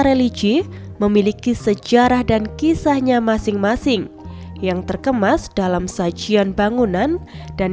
religi memiliki sejarah dan kisahnya masing masing yang terkemas dalam sajian bangunan dan